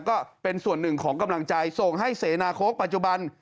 ก็เป็นส่วนหนึ่งของกำลังใจส่งให้เสนาโค้กปัจจุบัน